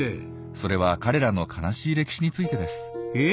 それは彼らの悲しい歴史についてです。え？